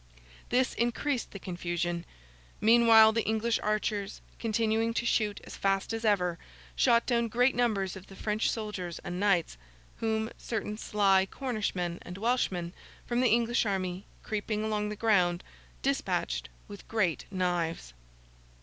This increased the confusion. Meanwhile the English archers, continuing to shoot as fast as ever, shot down great numbers of the French soldiers and knights; whom certain sly Cornish men and Welshmen, from the English army, creeping along the ground, despatched with great knives.